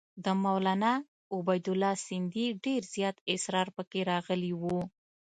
د مولنا عبیدالله سندي ډېر زیات اسرار پکې راغلي وو.